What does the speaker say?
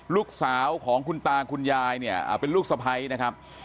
ลูกสาวของคุณตาคุณยายเนี่ยเป็นลูกสะพ้ายนะครับ